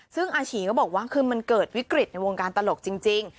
ซึ่งอาชีก็บอกว่าคือมันเกิดวิกฤตในวงการตลกจริง